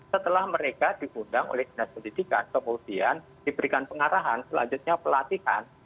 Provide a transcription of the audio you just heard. setelah mereka diundang oleh dinas pendidikan kemudian diberikan pengarahan selanjutnya pelatihan